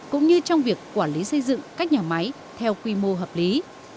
cũng như trong việc quản lý xây dựng các nhà máy theo quy mô hợp lý